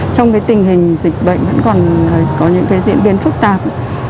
trong tình hình dịch bệnh vẫn còn có những diễn biến phức tạp